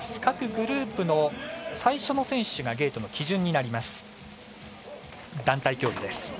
各グループの最初の選手がゲートの基準になります。